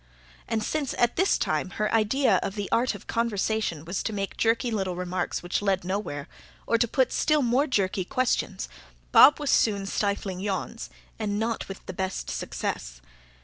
And since, at this time, her idea of the art of conversation was to make jerky little remarks which led nowhere, or to put still more jerky questions, Bob was soon stifling yawns, and not with the best success.